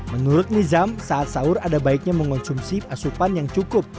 menurut nizam saat sahur ada baiknya mengonsumsi asupan yang cukup